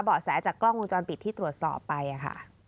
เบาะแสจากกล้องวงจรปิดที่ตรวจสอบไปค่ะ